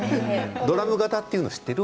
ドラム型というのを知っている？